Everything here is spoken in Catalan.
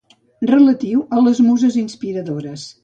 Relatiu a les muses inspiradores.